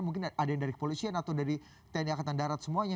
mungkin ada yang dari kepolisian atau dari tni angkatan darat semuanya